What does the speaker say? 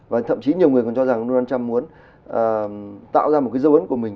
và thậm chí nhiều người còn cho rằng donald trump muốn tạo ra một cái dấu ấn của mình